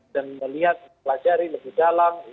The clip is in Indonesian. dan melihat pelajari lebih dalam